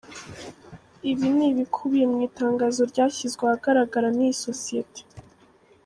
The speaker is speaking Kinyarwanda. Ibi ni ibikubiye mu itangazo ryashyizwe ahagaragara n’ iyi sosiyete.